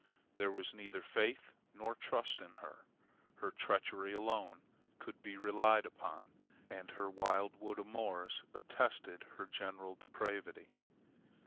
There was neither faith nor trust in her. Her treachery alone could be relied upon, and her wild wood amours attested her general depravity.